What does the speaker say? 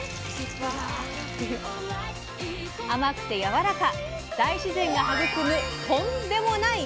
甘くてやわらか大自然が育む「とん」でもない